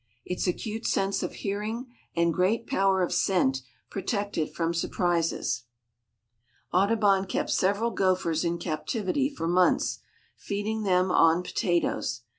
Its acute sense of hearing and great power of scent protect it from surprises. Audubon kept several gophers in captivity for months, feeding them on potatoes.